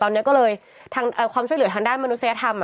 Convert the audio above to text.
ตอนนี้ก็เลยทางความช่วยเหลือทางด้านมนุษยธรรม